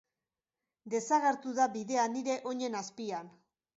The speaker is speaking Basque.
Desagertu da bidea nire oinen azpian.